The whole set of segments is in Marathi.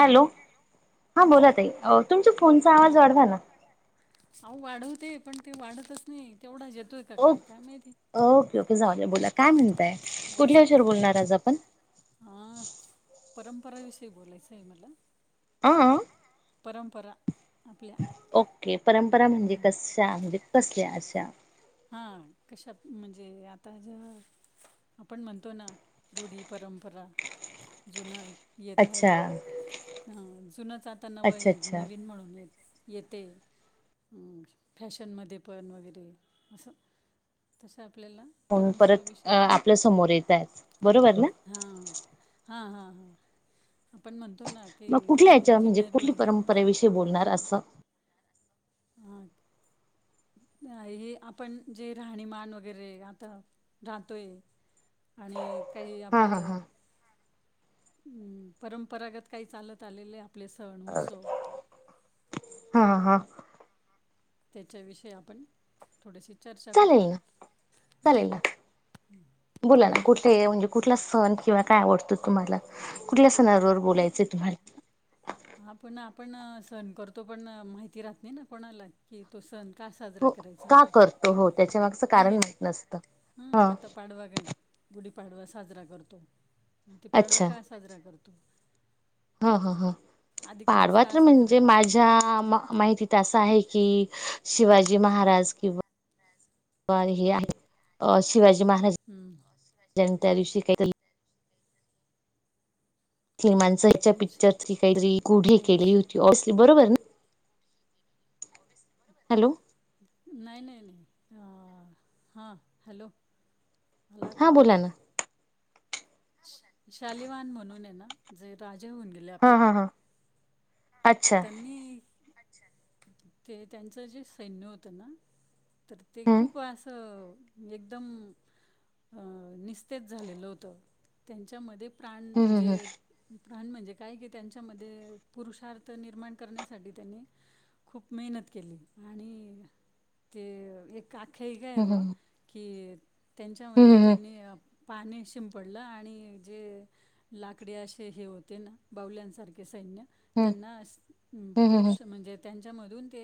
हॅलो हां बोलाताई अ तुमच्या फोनचा आवाज वाढवा ना. अहो वाढवते पण ते वाढतच नाही तेवढाच येतोय. का ओ काय काय माहिती ओके ओके जाऊ द्या बोला काय हं म्हणताय कुठल्या विषयावर बोलणार आज आपण. हा परंपराविषयी बोलायचं आहे मला. अ अ, परंपरा आपल्या. ओके परंपरा म्हणजे कशा म्हणजे कसल्या अशा. हा कशात म्हणजे आता ज्या. आपण म्हणतो ना रूढी परंपरा जुना. येत आहे अच्छा बुवा जुनच आता नव अच्छा अच्छा नवीन म्हणून येतंय. येते फॅशनमध्ये पण वगैरे. असं तसं आपल्याला. म्हणून परत अ परंपराविषयी आपल्या समोर येतय बरोबर ना. हा हा हा हा, आपण म्हणतो ना की काय जुन्या रूढी. परयविषयी बोलणार असं. हां हे आपणं जे राहणीमान वगैरें रहातं राहतोय आणि कांहीं हा हा हा आपलं हम्मं परंपरागतं कांहीं चालतं आलेले आपले संण उत्सव हां-हां त्यांच्याविषयी आपणं थोडीशी चर्चा चालेल नां चालेल नां बोलां नां कुठले म्हणजे कुठला संण किंवा कायं आवडतो. तुम्हांला कुठल्या सणांवर बोलायचंय तुम्हांला हां पणं आपणं संण करतों पणं माहिती राहतं नाहीं नां कोणांला कि तो संण कां साजरां हो करतों आपणं रायचां का करतो हो त्याच्या मागचं आपणं आहे कारण कां नायं माहित नसतं. हम्मं हा आंता पाडवां वगैरें गुढीपाडवां साजरां करतों मंग ते पाडवां अच्छा कां साजरां करतो. हो-हो-हो अधिक मास का पांडवांच्या साजरा म्हणजे करतो म्हणजे माझ्यां माहितीत त्यांसं आहे की शिवाजी महारांज किंवा हे आहे आं शिवाजी महारांज हम्मं त्यां दिवशी कांहीं तरी माणसं हिच्यां नाही पिक्चर कांहीतरी गुढी नाही केली होती ओसली बरोबर न ओव्यसली बरोबर हॅलो नाहीं-नाहीं-नाहीं हां हॅलो आंला हा कां आवांज बोला ना. शालिवान म्हणूंन आहे नां जे राजे होऊंन गेले हा आपले हा हा अच्छा त्यांनी ते त्यांच जे सैन्य होतं नां तरं ते हम्म खूंप असं एकदंम. निस्तेच झालेलं होतं त्यांच्यामध्यें. प्राण हम्म म्हणजे हम्म प्राण म्हणजे कायं की त्यांच्यामध्यें. पुरुषार्थ निर्माण करण्यांसाठी त्यांनी. खूंप मेहनत केली आणि ते एक. अख्या हं कां आहे बां हम्म की हम्म हम्म हम्म त्यांच्यामध्ये हम्म त्यांनी. पाणी शिंपडलं आणि जे. लाकडे असे हे होते नां बावल्यांसारखे सैन्य. हम्म त्यांना हम्म हम्म पुरुष म्हणजेत. त्यांच्यामधूंन ते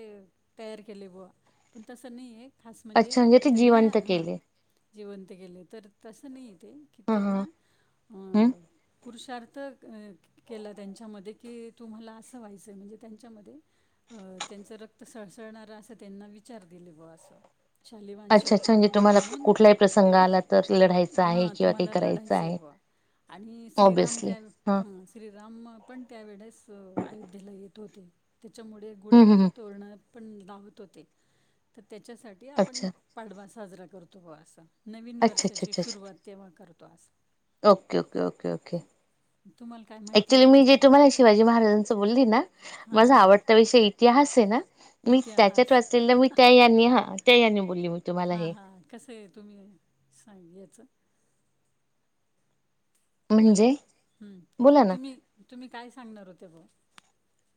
तयार केले बुवां पणं तसं नाहीं आहे एक खांस म्हणजे अच्छा ते त्यांना जिवंत हां केले. जिवंत केेले तरं तसं नाहीं तेे की ह ह त्यांना. हम्म पुरुषार्थ केलां त्यांच्यामध्ये की. तुम्हांला असं व्हायचंय आहे म्हणजे त्यांच्यामध्ये. अं त्यांचं रक्तं सळसळणांरा असं त्यांना विचार दिले बां असं. शालिवांश अच्छा अच्छा कां म्हणजे तुम्हाला म्हणूनंग कुठलाही प्रसंग आला तर लढायचा आहे हां किंवा काही तुम्हांला करायचं लढायचंय आहे बां म्हणूंन आणि श्रीराम ऑब्विसली त्यां. हा हां श्रीराम पणं त्यांवेेळेस अयोध्येला येतं होते त्यांच्यामुळे. हम्म हम्म गुढ्यां हम्म तोरण पणं लावतं होते तरं त्यांच्यासाठी आपणं. अच्छा पाडवां साजरां करतो असं नवीन अच्छा अच्छा वर्षाची अच्छा अच्छा सुरुवांत तेंव्हा करतो असं. Okay okay okay okay. तुम्हाला काय माहिती आहे अऍक्च्युली मी जे त्याच्यातलं तुम्हांला शिवाजी महाराजांच बोलली नां माझां आवडता विषय अस इतिहास आहे ना. मी इतिहास, त्याच्यात वाचलेलं मी त्या यांनी हा त्या यांनी बोलली मी तुम्हाला हा, हे हा कसय तुम्ही? संगीयाच. हॅलो, म्हणजे हम बोला ना तुम्ही, तुम्ही काय सांगणार होत्यासा?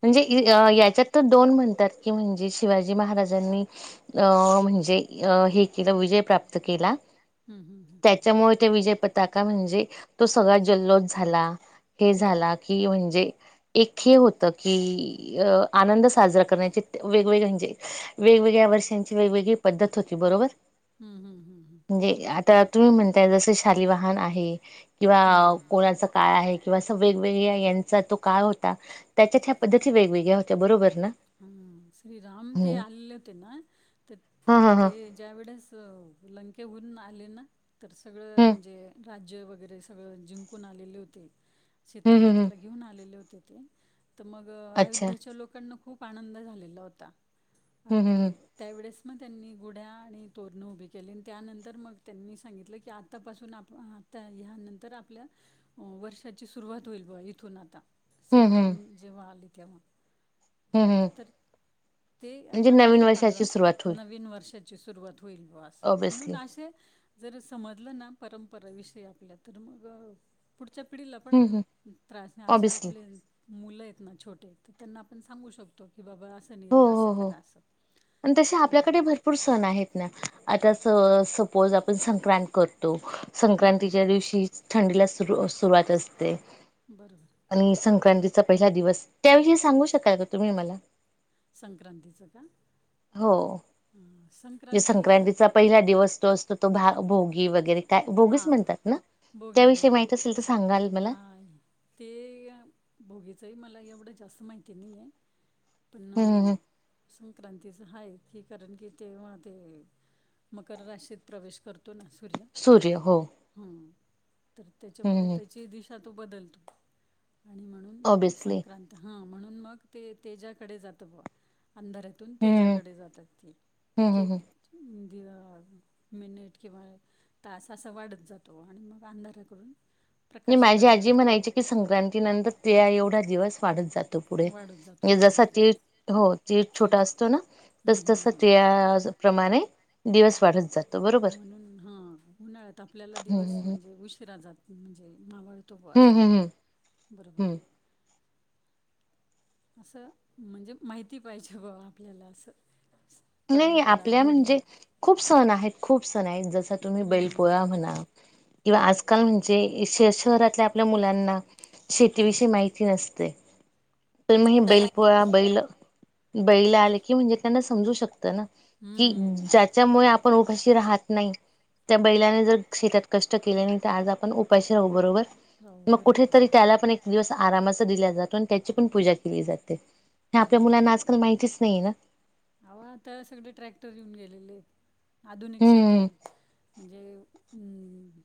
म्हणजे, याच्यात तर दोन म्हणतात की म्हणजे शिवाजी महाराजांनी अं म्हणजे, अ हे केलं विजय प्राप्त केला. हम्म, हम्म, हम्म. त्याच्यामुळ ते विजय पताका म्हणजे, तो सगळा जल्लोद झाला. ते झाला की म्हणजे एक हे होत की, अ आनंद साजरा करण्याचे वेगवेगळे म्हणजे वेगवेगळ्या वर्षांची, वेगवेगळी पद्धत होती बरोबर. हम्म हम्म हम्म म्हणजे हम्म आता, तुम्ही म्हणताय जस शालीवाहन आहे किंवा हम्म. कोळ त्याचा काळ आहे किंवा अस वेगवेगळे यांचा तो काळ होता. त्याच्यात या पद्धती वेगवेगळ्या होत्या बरोबर ना. हम्म, श्री राम ते हम्म आलेले होते ना, तर हा हा हा ते ज्या वेळेस लंकेहुन आले ना, तर सगळं हम्म म्हणजे राज्य वगैरे सगळं जिंकून आलेले होते, हम्म हम्म सीतामातेला घेऊन आले होते ते, मग अच्छा आयोध्येच्या लोकांना खूप आनंद झालेला होता हम्म हम्म आणि त्यावेळेस मग त्यांनी, गुड्या आणि तोरणं उभी केली आणि त्यानंतर मग त्यांनी सांगितलं की आत आतापासून आप, आता ह्यानंतर आपल्या वर्षाची सुरुवात होईल ब इथून आता हम्म हम्म श्रीराम जेव्हा आली तेव्हा हम्म हम्म तर ते म्हणजे आपण नवीन पाडवा वर्षाची असा सुरुवात होईल नवीन वर्षा ची सुरुवात होईल ब असं ऑब्विसली म्हणून असे जर समजलं ना परंपराविषयी आपल्या तर मग. पुढच्या पिढीला हं, पण हं. त्रास नाही अशा ऑब्वियसली. आपले मुलं आहेत ना छोटे तर त्यांना आपण सांगू शकतो की बाबा अस हो हो हो आणि तसे आपल्याकडे भरपूर सण आहेत ना, आता सपोज आपण संक्रांत करतो. हम्म. संक्रांतीच्या दिवशीच थंडीला सुरू सुरुवात असते. बरोबर आणि संक्रांतीचा पहिला दिवस, त्याविषयी सांगू शकाल का तुम्ही मला? संक्रांतीचं का? हो ह संक्रां ते संक्रांतीचा पहिला दिवस तो असं तो भा भोगी वगैरे काय भोगीच हां म्हणतात ना, त्याविषयी माहित असेल तर सांगाल मला? पाणी ते भोगीच ही मला एवढं जास्त माहिती नाही आहे. पण हं, हं, हं. संक्रांतीच हाय की कारण कि तेव्हा ते मकर राशीत प्रवेश करतो ना सूर्य सूर्य हो. हम्म, तर हं, त्याच्यामुळे हं. त्याची दिशा तो बदलतो. आणि म्हणून ऑब्वियसली. संक्रांत हा म्हणून मग ते तेजाकडे जातं बघ अंधारा तून हं, हं. तेज्याकडे जातात ती हं, एक हं, एक हं. दिवा मिनिट के बार तास असा वाढतं जातो आणि मग अंधाराकडून आणि माझी प्रकाशाकडे आजी जातो म्हणायची की संक्रांतीनंतर तीळा एवढा दिवस वाढत जातो. पुढे वाढत जातो आणि जसा बरोबर तीळ, आहे हो तीळ छोटा केळीत असतो ना हम्म तसं, हम्म तसं हम्म तिळाप्रमाणे दिवस वाढतं जातो. बरोबर. म्हणून हा उन्हाळ्यात आपल्याला दिवस हम्म म्हणजे उशिरा जात म्हणजे मावळ तो बा हम्म असं हम्म बरोबर. हम्म. असं, म्हणजे माहिती पाहिजे बा आपल्याला असं. नाही परंपरा आपल्या रूढी म्हणजे खूप सण आहेत, खूप सण आहेत जस तुम्ही हम्म बैलपोळा म्हणा किंवा आजकाल म्हणजे श शहरातल्या आपल्या मुलांना शेतीविषयी माहिती नसते तर मग हे बैल पोळा बैल बैलं आलं की म्हणजे त्यांना समजू शकतं ना कि हम्म. ज्याच्यामुळे आपणं उपाशी राहत नाही त्या बैलान जर शेतात कष्ट केले नाही तर आज आपण उपाशी राहू बरोबर बरोबर हो मग बरोबर आहे. कुठेतरी त्याला पण दिवस आरामाचा दिला जातो आणि त्याची पण पूजा केली जाते जाते. खरं आपल्या आहे. मुलांना आज माहितीच नाहीये ना. अहो आता सगळे ट्रॅक्टर घेऊन गेलेलेत आधुनिक शेती हम्म म्हणजे हम्म,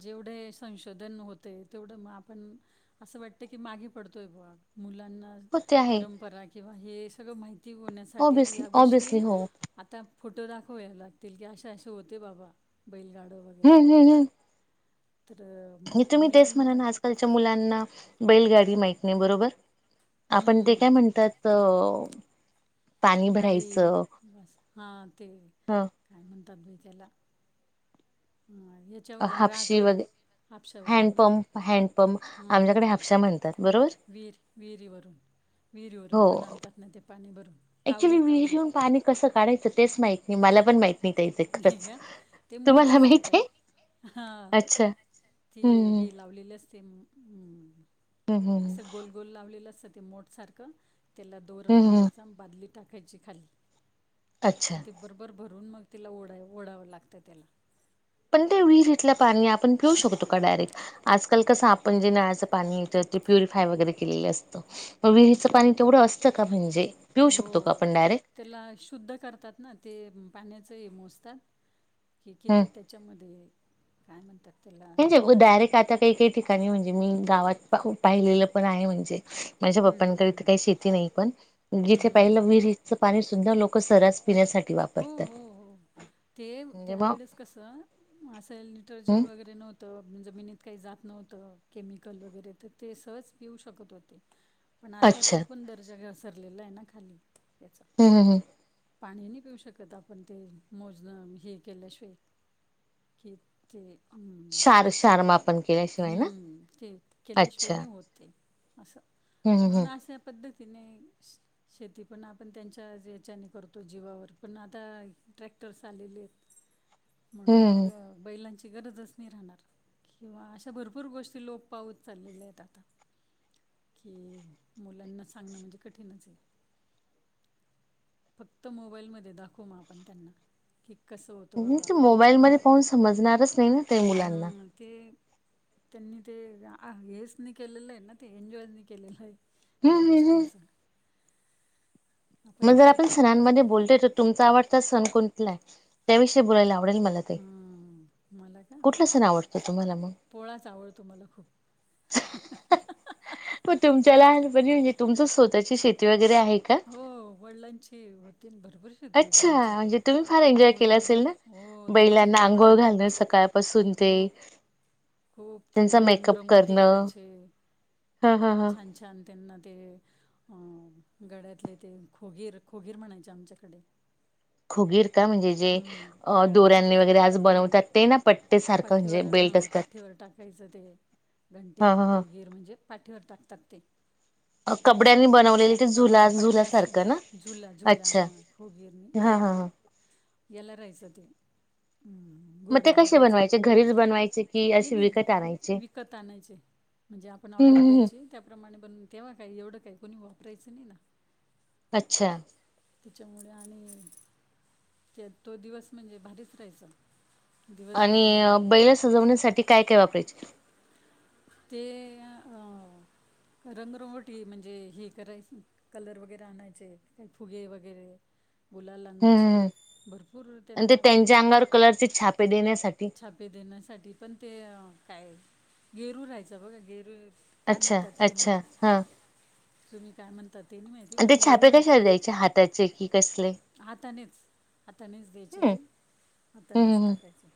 जेवढे संशोधन होतेय तेवढं मग आपण असं वाटतं की मागे पडतोय बा मुलांना हो ते आहे परंपरा किंवा हे सगळ माहिती होण्यासाठी ऑबियसली या ऑबियसली गोष्टी हो आता फोटो दाखवया लागतील की असे, असे होते बाबा बैलगाड हम्म, हम्म, हम्म. तर मुलांना आज कालच्या मुलांना बैलगाडी माहीत नाही बरोबर आपण ते काय हम्म, म्हणतात हो. गाई म्हस हा ते, ह काय म्हणतात बाई त्याला? माहित चौरग राहत हापशी वगैरे हाफशावरून ना हँडपंप हॅन्ड हँडपंप पंप हम्म, आमच्याकडे हम्म. हापशा म्हणतात बरोबर विहीर विहीरीवरून, विहिरीवरून हो पण आणतात ना ते पाणी भरून. कावडी ऍक्च्युली कावडी विहिरी हुन पाणी कसं काढायचं तेच माहित नाही मला. पण माहीत नाही ताई ते नाही खरंच, तुम्हाला माहितेय? हा अच्छा ती हम्म हे लावलेली अस ते मग हम्म, हम्म हम्म असं गोल, गोल लावलेलं असतं ते मोठ सारखं त्याला दोर हम्म बांधायचा बादली टाकायची खाली. अच्छा. बरं भरून मग तिला ओढा, ओढावं लागतं त्याला. पण ते वीहीरितल पाणी आपण पिऊ शकतो का डायरेक्ट? आजकाल कसं आपण जे नळाचं पाणी येतं ते प्युरिफाय वगैरे केलेलं असतं. मग विहीचं पाणी तेवढं असतं का म्हणजे पिऊ शकतो हो का आपण डायरेक्ट? त्याला शुद्ध करतात ना ते पाण्याचं मोजतात कि किती त्या त्याच्यामध्ये काय म्हणतात त्याला? म्हणजे डायरेक्ट आता काही, काही ठिकाणी म्हणजे मी गावात पाहिलेलं पण आहे म्हणजे माझ्या हम्म हम्म पप्पांकडे तर हम्म काही शेती नाही पण जिथे हम्म हम्म पाहिलं हम्म विही पाणी सुध्दा लोक सरास पिण्यासाठी हो वापरतात हो हो, ते म्हणजे मग त्यावेळेस कसं असेल डिटर्जन हम् वगैरे नव्हतं तर जमिनीत काही जात नव्हतं केमिकल वगैरे तर ते सहज पिऊ शकत होते. पण आता अच्छा तर पण दर्जा घ घसरलेला आहे ना खाली याचा. हम हम हम. पाणी नाही पिऊ शकत आपण ते मोजणं हे केल्याशिवाय. किती हम्म शार शारमापण केल्याशिवाय ना हम्म ते केल्याशिवाय अच्छा नाही होत. ते असं. हम्म हम् पद्धतीने शे शेती पण आपण त्यांच्या याच्याने करतो जीवावर. पण आता ट्रॅक्टरस आलेले आहेत म्हणून हम्म मग. बैलांची गरजच नाही राहणार. किंवा अशा भरपूर गोष्टी लोप पावऊत चाललेल्या आहेत आता. की मुलांना सांगणं म्हणजे कठीणच आहे. फक्त मोबाईलमध्ये दाखव मग आपण त्यांना. की कसं होतं हम्म बाबा ते मोबाईलमध्ये पाहून समजणारच नाही ना ते मुलांना हा. ते त्यांनी ते आ हेच नाही केलेलं आहे ना ते एन्जॉयनी केलेलं आहे. त्या हम् हम् हम गोष्टींच. मग जर आपण सणांमध्ये बोलतोय तर तुमचा आवडता सण कोणतला आहे. त्याविषयी बोलायला आवडेल मला ताई हम्म मला का कुठला सण आवडतो तुम्हाला मग. पोळाच आवड तुम्हाला खूप. हो तुमच्यालापणी म्हणजे तुमच स्वतःची शेती वगैरे आहे का. हो वडलांची वतीन भरपूर. शेती होती अच्छा आमची. म्हणजे तुम्ही फार एन्जॉय केला असेल दोन ना हो दोन तीन बैलांना जोड्या आंघोळ होत्या घालणं आमच्या सकाळ. पासून ते. खूप खूप ते त्यांचा मेकअप रंगरंगोटी करणं करायचे ह ह ह छान छान. त्यांना ते अ. गळ्यातले ते खोगीर खोगीर म्हणायचे आमच्याकडे. खुगीर का म्हणजे जे हम्म अ गळ्यात दोऱ्यांनी वगैरे आज टाकतात ह बनवतात ते ना पट्टे सारखं म्हणजे पाठीवर हा बेल्ट असतात पाठ''--'' वर टाकायचं ते ह घंट्या ह ह खोगीर म्हणजे पाठीवर टाकतात ते. अ कपड्यांनी बनवलेली ते. हा झुला पट्ट्या झुलासारखं ना असतात झुला झुला अच्छा हा होबीर मी हा ते हा अ. हा याला राहायचा ते हम्म. मग ते घोड्याला कसे राहायचं बनवायचे घरीच बनवायचे की नाही असे विकत नाही आणायचे विकत आणायचे. म्हणजे आपण हम्म ऑर्डर हम्म द्यायची त्याप्रमाणे पण तेव्हा काय एवढं काय कोणी वापरायचं नाही ना. अच्छा. त्याच्यामुळे आणि. त्या तो दिवस म्हणजे भारीच राहायचा. आणि दिवसभर मग बैला सजवण्यासाठी काय काय वापरायचे. ते अ रंगरंगटी म्हणजे हे करायच. कलर वगैरे आणायचे ते फुगे वगैरे. गुलाल आणायचे हम्म भरपूर आणि ते त्यांना बाबा त्यांच्या अंगावर कलरचे छापे देण्यासाठी छप. ते देण्यासाठी पण ते अ काय. गरू राहायच बघा गेरू काय अच्छा म्हणतात अच्छा तुम्हाला हा तुम्ही काय म्हण''--'' तेनी माहिती आणि ते पण गेरू छापे कशाला राहायचं. द्यायचे हाताचे कि कसले हातानेच हातानेच द्यायचे हम्म ते हम्म हातानेच हम्म टाकायचे.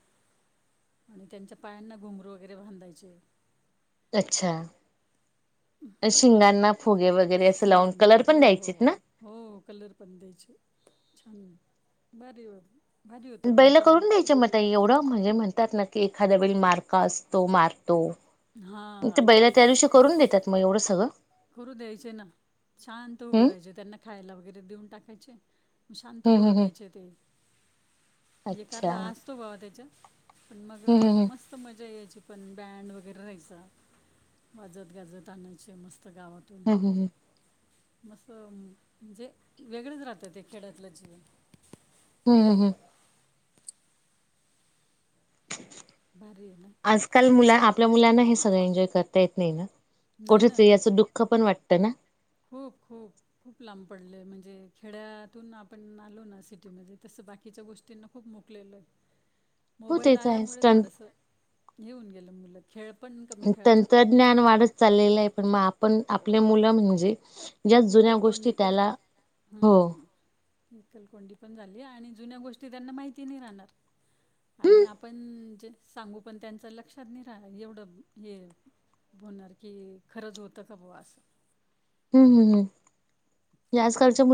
आणि त्यांच्या पायांना घुमरू वगैरे बांधायचे. अच्छा शिंगांना फुगे वगैरे असं लावून शिंगांना कलर पण हो हो द्यायचेत हो ना. हो कलर पण द्यायचे छान बारी होत. बैल करून द्यायचे म ताई. एवढं म्हणजे म्हणतात ना की एखाद्या वेळी मारका असतो. मारतो. हां बैल त्या दिवशी करून देतात मग एवढं सगळं? करू द्यायचे ना शांत उभे हम्म राहायचे. त्यांना खायला वगैरे देऊन टाकायचे. शांत हम्म करू हम्म हम्म द्यायचे ते. एक अच्छा अर्धा असतो बा त्याच्यात. पण मग हम्म हम्म मस्त मजा यायची पण. बँड व वगैर राहायचा. वाजत गाजत आणायचे मस्त गावातून. हम्म हम्म हम्म मस् म्हणजे वेगळंच राहतं. ते खेड्यातलं जीवन. हम्म हम्म हम्म. भारीय ना. आजकाल मुला आपल्या मुलांना हे सगळ एन्जॉय करता येत नाही ना. नाही ना कुठेतरी याचं दुःख पण वाट त ना. खूप खूप. खूप लांब पडलय. म्हणजे खेड्यातून आपण आलो ना सिटीमध्ये. तसं बाकीच्या गोष्टी ना खूप मुकलेलोय. हो मोबाईल ते तर आहेच आल्यामुळे तंत्र थोडस घेऊन गेलं मुलं खेळ पण क तंत्रज्ञान वाढत चाललेलंय. पण मग आपण आपले मुलं म्हणजे ज्या जुन्या गोष्टी एकलकोंडी त्याला, हो. एकल कोंडी पण झाली. आणि जुन्या गोष्टी त्यांना माहिती नाही राहणार. आणि आपण जे सांगू पण त्यांच लक्षात नाही राहा एवढं हे होणार की, खरंच होतं का बो असं. हम्म हम्म हम्म. या आजकालच्या मु